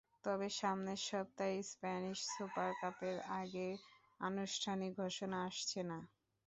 তবে সামনের সপ্তাহে স্প্যানিশ সুপার কাপের আগে আনুষ্ঠানিক ঘোষণা আসছে না।